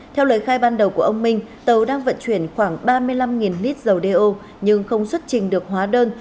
theo lời khai ban đầu của ông minh tàu đang vận chuyển khoảng ba mươi năm lít dầu đeo nhưng không xuất trình được hóa đơn